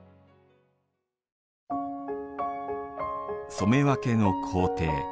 「染め分け」の工程。